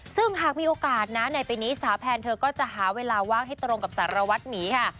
ซึ่งหากมีโอกาสนะในปีนี้สาวแพนเธอก็จะหาเวลาว่างให้ตรงกับสารวัตรหมีค่ะ